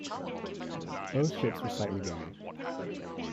Both ships were slightly damaged.